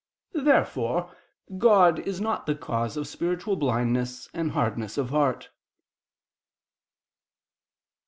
Therefore God is not the cause of spiritual blindness and hardness of heart.